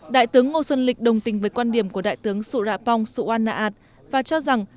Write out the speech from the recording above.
đại tướng ngô xuân lịch đồng tình với quan điểm của đại tướng su ra pong su wan naat và cho rằng